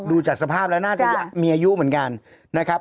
ดูจากสภาพแล้วน่าจะมีอายุเหมือนกันนะครับ